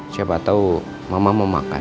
siapa tahu mama mau makan